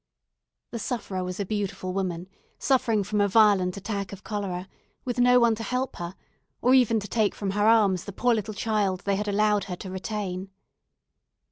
The sufferer was a beautiful woman, suffering from a violent attack of cholera, with no one to help her, or even to take from her arms the poor little child they had allowed her to retain.